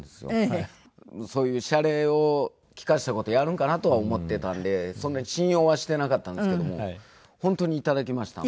そういうシャレを利かせた事をやるんかなとは思っていたんでそんなに信用はしていなかったんですけども本当に頂きましたので。